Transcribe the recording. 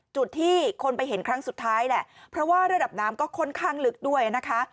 จุดที่คนไปเห็นครั้งสุดท้ายแหละเพราะว่าระดับน้ำก็ค่อนข้างลึกด้วยนะคะ